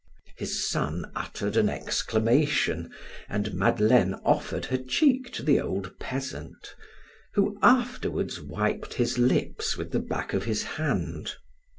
His son uttered an exclamation and Madeleine offered her cheek to the old peasant; who afterward wiped his lips with the back of his hand.